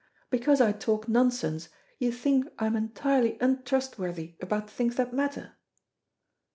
Because I talk nonsense you think I am entirely untrustworthy about things that matter."